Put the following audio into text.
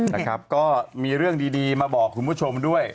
นะครับก็มีเรื่องดีมาบอกคุณผู้ชมด้วย